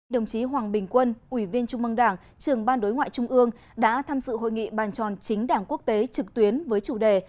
đồng chí hoàng bình quân ủy viên trung mương đảng trường ban đối ngoại trung ương đã tham dự hội nghị bàn tròn chính đảng quốc tế trực tuyến với chủ đề